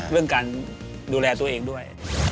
เรื่องการดูแลตัวเองด้วย